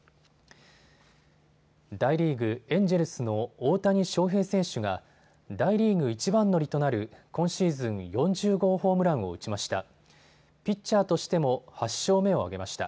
大リーグ、エンジェルスの大谷翔平選手が大リーグ一番乗りとなる今シーズン４０号ホームランを打ちました。